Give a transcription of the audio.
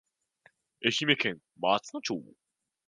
愛媛県松野町